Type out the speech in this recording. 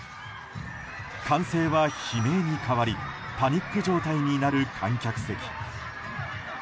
歓声は悲鳴に変わりパニック状態になる観客席。